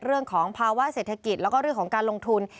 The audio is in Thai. เรื่องของภาวะเศรษฐกิจแล้วก็เรื่องของการลงทุน